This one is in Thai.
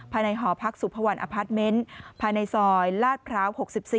หอพักสุพรรณอพาร์ทเมนต์ภายในซอยลาดพร้าว๖๔